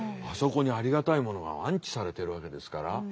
あそこにありがたいものが安置されてるわけですから。